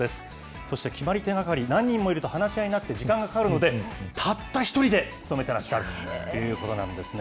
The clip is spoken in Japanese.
そして決まり手係、何人もいると話し合いになって、時間がかかるので、たった一人で務めてらっしゃるということなんですね。